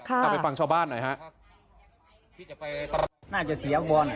ค่ะเอาไปฟังชาวบ้านหน่อยฮะพี่จะไปน่าจะเสียบอล